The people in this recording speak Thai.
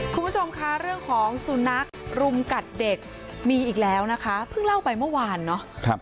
คุณผู้ชมคะเรื่องของสุนัขรุมกัดเด็กมีอีกแล้วนะคะเพิ่งเล่าไปเมื่อวานเนาะ